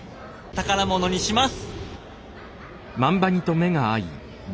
宝物にします！